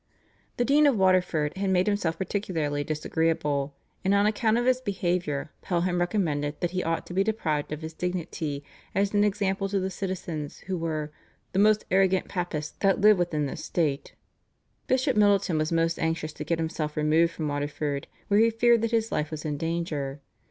The Dean of Waterford had made himself particularly disagreeable, and on account of his behaviour Pelham recommended that he ought to be deprived of his dignity as an example to the citizens who were "the most arrogant Papists that live within this state." Bishop Middleton was most anxious to get himself removed from Waterford, where he feared that his life was in danger.